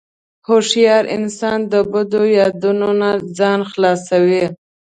هوښیار انسان د بدو یادونو نه ځان خلاصوي.